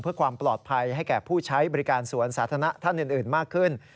เพื่อความปลอดภัยให้แก่ผู้ใช้บริการสวนสาธารณะท่านอื่นมากขึ้น